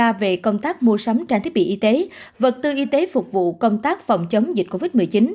kiểm tra về công tác mua sắm trang thiết bị y tế vật tư y tế phục vụ công tác phòng chống dịch covid một mươi chín